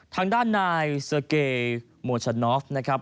ทางด้านนายเซอร์เกโมชนอฟนะครับ